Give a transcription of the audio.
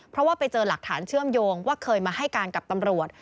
เพราะว่าไปเจอหลักฐานเชื่อมโยงว่าเคยมาให้การกับตำรวจ